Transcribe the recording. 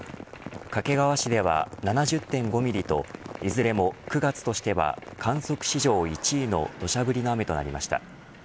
掛川市では７０．５ミリといずれも９月としては観測史上１位の土砂降りの雨となりました。